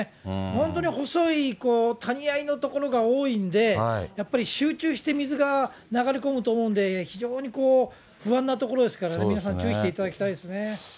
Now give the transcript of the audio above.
本当に細い谷あいの所が多いんで、やっぱり集中して水が流れ込むと思うんで、非常に不安な所ですからね、皆さん注意していただきたいですね。